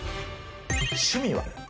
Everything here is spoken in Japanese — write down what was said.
趣味は？